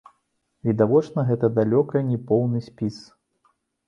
Відавочна, гэта далёка не поўны спіс.